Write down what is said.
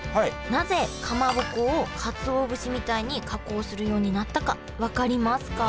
なぜかまぼこをかつお節みたいに加工するようになったか分かりますか？